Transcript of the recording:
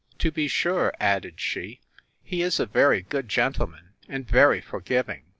To be sure, added she, he is a very good gentleman, and very forgiving!